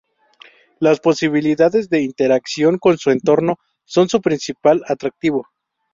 Las posibilidades de interacción con su entorno son su principal atractivo.